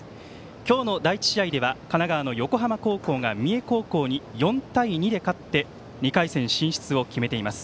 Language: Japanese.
今日の第１試合では神奈川の横浜高校が三重高校に４対２で勝って２回戦進出を決めています。